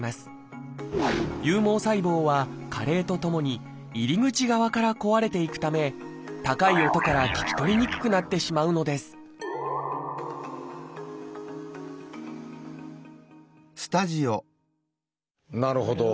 有毛細胞は加齢とともに入り口側から壊れていくため高い音から聞き取りにくくなってしまうのですなるほど。